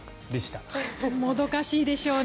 もどかしいでしょうね